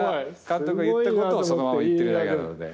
監督が言ってることをそのまま言ってるだけなので。